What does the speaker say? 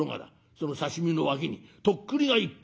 その刺身の脇にとっくりが１本。